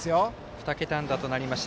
２桁安打となりました。